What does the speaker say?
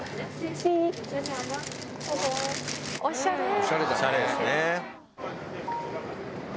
おしゃれー。